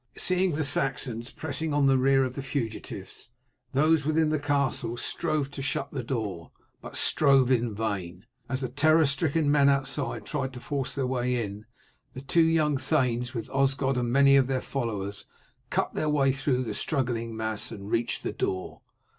Seeing the Saxons pressing on the rear of the fugitives, those within the castle strove to shut the door, but strove in vain, as the terror stricken men outside tried to force their way in. The two young thanes, with Osgod and many of their followers, cut their way through the struggling mass and reached the door.